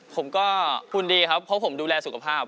ผมก็หุ่นดีครับเพราะผมดูแลสุขภาพ